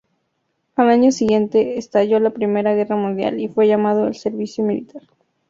Al año siguiente estalló la Primera Guerra Mundial y fue llamado al servicio militar.